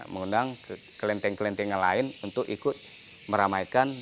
mengundang kelenteng kelenteng yang lain untuk ikut meramaikan